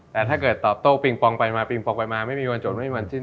แต่ถ้าเกิดตอบโต้ปิงปองไปมาไม่มีวันจบไม่มีวันสิ้น